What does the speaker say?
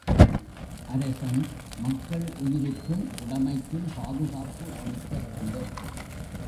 அரசன் மக்கள் உயிருக்கும் உடைமைக்கும் பாதுகாப்பு அளிக்க வேண்டும்.